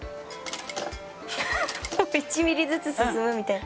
１ミリずつ進むみたいな。